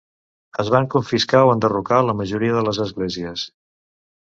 Es van confiscar o enderrocar la majoria de les esglésies.